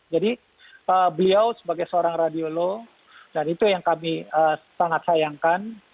jadi beliau sebagai seorang radiolog dan itu yang kami sangat sayangkan